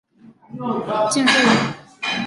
见说文。